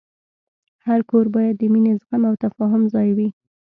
هر کور باید د مینې، زغم، او تفاهم ځای وي.